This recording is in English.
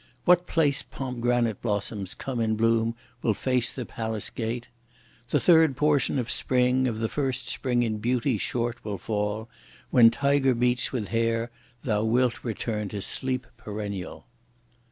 What place pomegranate blossoms come in bloom will face the Palace Gate! The third portion of spring, of the first spring in beauty short will fall! When tiger meets with hare thou wilt return to sleep perennial.